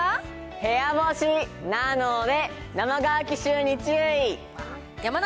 部屋干しなので、生乾き臭に注意。